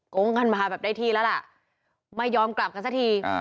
งงกันมาแบบได้ที่แล้วล่ะไม่ยอมกลับกันสักที